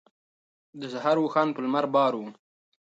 د سهار اوښان په لمر بار وو.